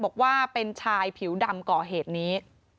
บอกว่าเป็นชายผิวดำก่อเหตุนี้